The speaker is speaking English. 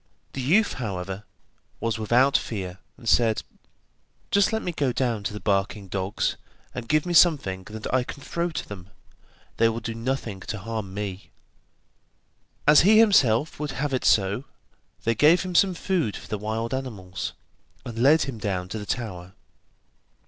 The youth, however, was without fear, and said: 'Just let me go down to the barking dogs, and give me something that I can throw to them; they will do nothing to harm me.' As he himself would have it so, they gave him some food for the wild animals, and led him down to the tower.